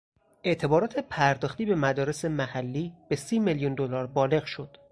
اعتبارات پرداختی به مدارس محلی به سی میلیون دلار بالغ شد.